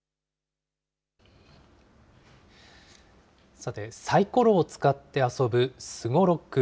さて、さいころを使って遊ぶすごろく。